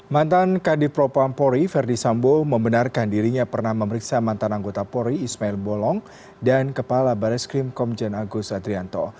mantan kadir propan pori verdi sambo membenarkan dirinya pernah memeriksa mantan anggota pori ismail bolong dan kepala baris krim komjen agus adrianto